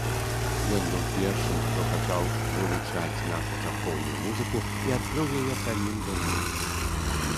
Ён быў першым, хто пачаў вывучаць нашу царкоўную музыку і адкрыў яе самім беларусам.